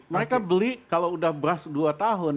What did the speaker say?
mereka beli kalau udah beras dua tahun